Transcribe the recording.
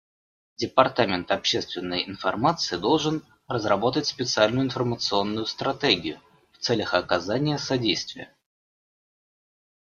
Департамент общественной информации должен разработать специальную информационную стратегию в целях оказания содействия.